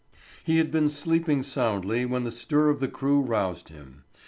He had been sleeping soundly when the stir of the crew roused him.